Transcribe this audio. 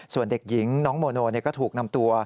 ส่วนเด็กหญิงน้องโมโนก็ถูกนำตัว